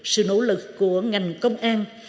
sự nỗ lực của ngành công an